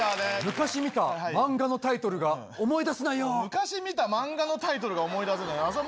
昔見た漫画のタイトルが思い昔見た漫画のタイトルが思い